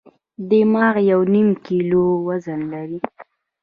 دماغ یو نیم کیلو وزن لري.